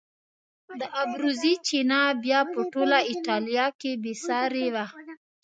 د ابروزي چینه بیا په ټوله ایټالیا کې بې سارې وه.